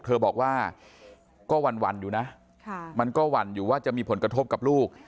เธอบอกว่าก็หวั่นอยู่นะมันก็หวั่นอยู่ว่าจะมีผลกระทบกับลูก